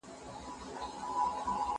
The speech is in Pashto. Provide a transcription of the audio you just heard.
زه اوږده وخت د ښوونځی لپاره تياری کوم؟